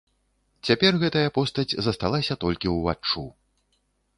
Цяпер гэтая постаць засталася толькі ўваччу.